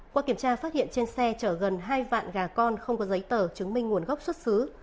qua kiểm tra phát hiện trên xe chở gần hai vạn gà con không có giấy tờ chứng minh nguồn gốc xuất xứ